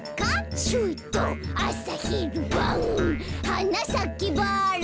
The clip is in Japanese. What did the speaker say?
「はなさけバラ」